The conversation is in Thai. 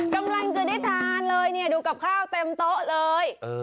กำลังจะได้ทานเลยเนี่ยดูกับข้าวเต็มโต๊ะเลย